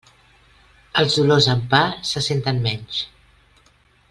Els dolors, amb pa se senten menys.